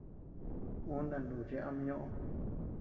Uu nanuuchi ama ñoʼö.